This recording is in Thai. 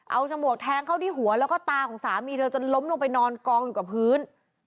เอาฉมวกแทงเข้าที่หัวแล้วก็ตาของสามีเธอจนล้มลงไปนอนกองอยู่กับพื้น